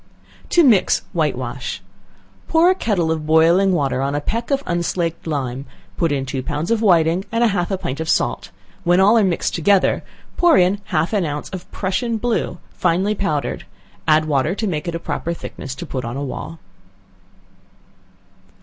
To Mix White wash. Pour a kettle of boiling water on a peck of unslaked lime, put in two pounds of whiting, and half a pint of salt, when all are mixed together, put in half an ounce of Prussian blue, finely powdered, add water to make it a proper thickness to put on a wall.